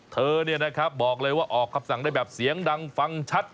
เธอเนี่ยนะครับบอกเลยว่าออกครับสั่งได้แบบเสียงดังฟังชัด